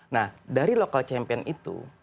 nah dari local champion itu